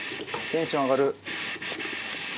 テンション上がる。